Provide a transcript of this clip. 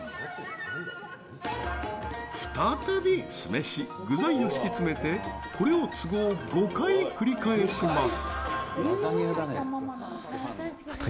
再び、酢飯、具材を敷き詰めてこれを都合５回繰り返します。